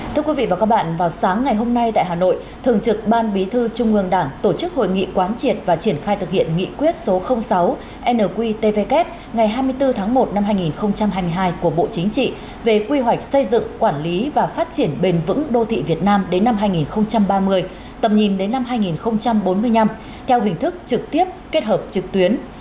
thưa quý vị và các bạn vào sáng ngày hôm nay tại hà nội thường trực ban bí thư trung ương đảng tổ chức hội nghị quán triệt và triển khai thực hiện nghị quyết số sáu nqtvk ngày hai mươi bốn tháng một năm hai nghìn hai mươi hai của bộ chính trị về quy hoạch xây dựng quản lý và phát triển bền vững đô thị việt nam đến năm hai nghìn ba mươi tầm nhìn đến năm hai nghìn bốn mươi năm theo hình thức trực tiếp kết hợp trực tuyến